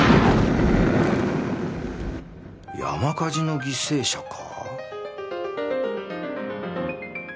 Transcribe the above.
山火事の犠牲者か？